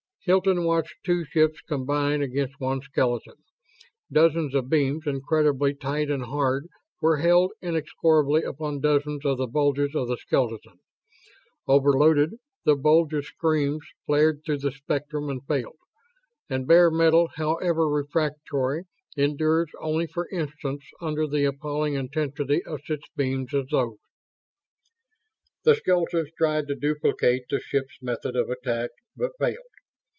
Hilton watched two ships combine against one skeleton. Dozens of beams, incredibly tight and hard, were held inexorably upon dozens of the bulges of the skeleton. Overloaded, the bulges' screens flared through the spectrum and failed. And bare metal, however refractory, endures only for instants under the appalling intensity of such beams as those. The skeletons tried to duplicate the ships' method of attack, but failed.